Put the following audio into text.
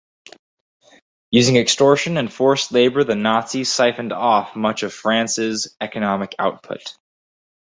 Using extortion and forced labor, the Nazis siphoned off much of France's economic output.